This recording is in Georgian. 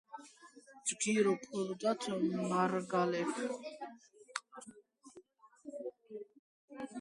ჯგირო ქორდათ მარგალეფ